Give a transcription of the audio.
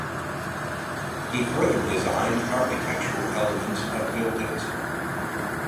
He further designed architectural elements of buildings.